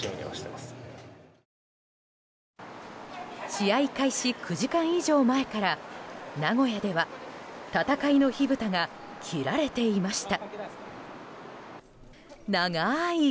試合開始９時間以上前から名古屋では戦いの火ぶたが切られていました。